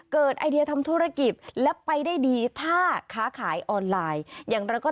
ไอเดียทำธุรกิจและไปได้ดีถ้าค้าขายออนไลน์อย่างไรก็